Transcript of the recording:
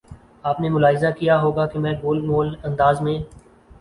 آپ نے ملاحظہ کیا ہو گا کہ میں گول مول انداز میں